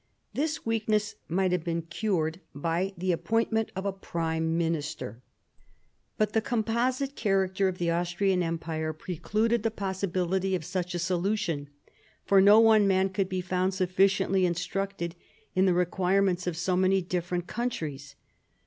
This weakness might have been cured by the appoint ment of a Prime Minister. But the composite character of the Austrian Empire precluded the possibility of such a solution, for no one man could be found sufficiently instructed in the requirements of so many different countries.